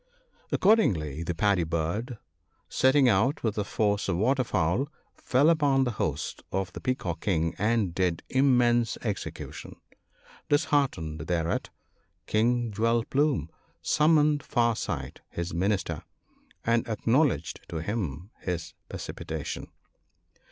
Accordingly the Paddy bird, setting out with a force of water fowl, fell upon the host of the Peacock king, and did immense execution. Disheartened thereat, King Jewel plume summoned Far sight his Minister, and ac knowledged to him his precipitation.